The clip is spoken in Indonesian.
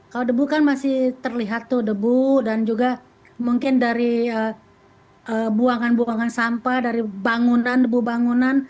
kalau debu kan masih terlihat tuh debu dan juga mungkin dari buangan buangan sampah dari bangunan debu bangunan